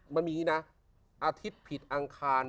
มันมีอย่างนี้นะอาทิตย์ผิดอังคาร